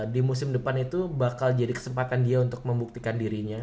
di musim depan itu bakal jadi kesempatan dia untuk membuktikan dirinya